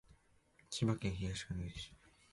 千葉県東金市